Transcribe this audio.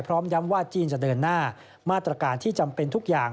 พร้อมย้ำว่าจีนจะเดินหน้ามาตรการที่จำเป็นทุกอย่าง